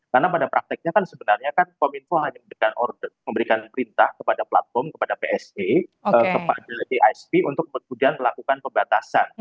karena pada prakteknya kan sebenarnya kan pominfo hanya memberikan order memberikan perintah kepada platform kepada psa kepada disp untuk kemudian melakukan pembatasan